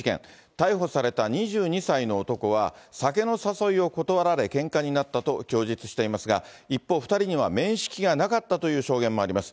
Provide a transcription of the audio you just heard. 逮捕された２２歳の男は、酒の誘いを断られ、けんかになったと供述していますが、一方、２人には面識がなかったという証言もあります。